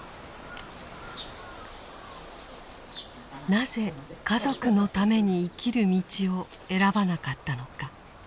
なぜ家族のために生きる道を選ばなかったのか。